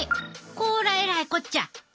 こらえらいこっちゃ！